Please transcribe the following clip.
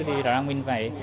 thì đó là mình phải